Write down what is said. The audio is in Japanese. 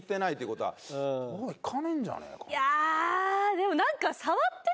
でも何か。